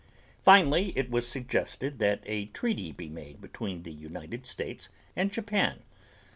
Finally, it was suggested that a treaty be made between the United States and Japan.